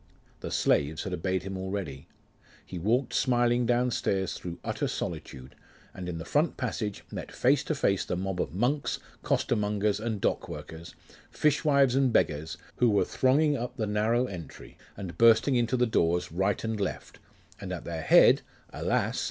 The slaves had obeyed him already. He walked smiling downstairs through utter solitude, and in the front passage met face to face the mob of monks, costermongers and dock workers, fishwives and beggars, who were thronging up the narrow entry, and bursting into the doors right and left; and at their head, alas!